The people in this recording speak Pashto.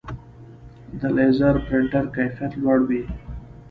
د لیزر پرنټر کیفیت لوړ وي.